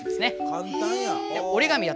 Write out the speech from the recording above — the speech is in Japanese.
簡単や。